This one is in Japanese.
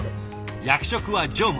役職は常務。